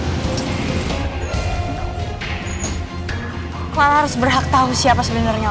clara harus berhak tau siapa sebenernya lo